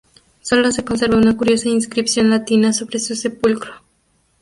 Sólo se conserva una curiosa inscripción latina sobre su sepulcro.